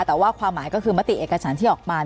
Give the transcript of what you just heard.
แต่ว่าความหมายก็คือมติเอกสารที่ออกมา